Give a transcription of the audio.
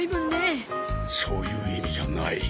そういう意味じゃない。